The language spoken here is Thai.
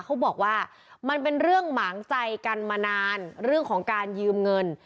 เขาบอกว่ามันเป็นเรื่องหมางใจกันมานานเรื่องของการยืมเงิน